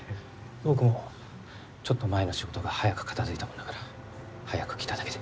僕もちょっと前の仕事が早く片づいたもんだから早く来ただけで。